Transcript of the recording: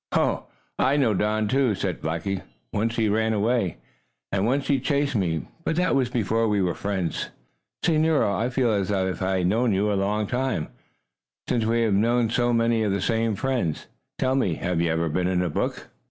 "Oh, I know Don, too," said Blackie. "Once he ran away, and once he chased me. But that was before we were friends. Say, Nero, I feel as if I had known you a long time, since we know so many of the same friends. Tell me, have you ever been in a book?"